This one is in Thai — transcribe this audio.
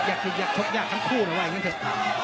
อยากชกยากทั้งคู่เลยว่าอย่างนั้นเถอะ